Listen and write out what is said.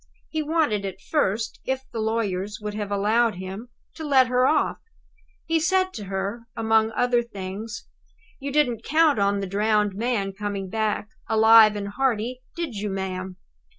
He wanted, at first, if the lawyers would have allowed him, to let her off. He said to her, among other things: "You didn't count on the drowned man coming back, alive and hearty, did you, ma'am?"